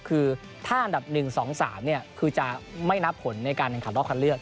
คือถ้าอันดับ๑๒๓คือจะไม่นับผลในการแข่งขันรอบคันเลือก